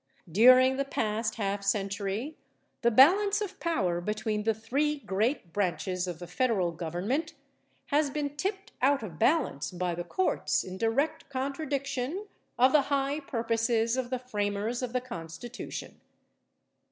During the past half century the balance of power between the three great branches of the federal government, has been tipped out of balance by the courts in direct contradiction of the high purposes of the framers of the Constitution.